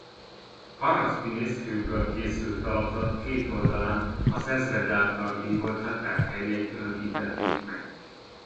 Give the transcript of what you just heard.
Haraszti mészkőből készült talapzat két oldalán az ezred által vívott csaták helyeit örökítették meg.